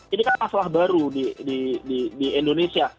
ini kan masalah baru di indonesia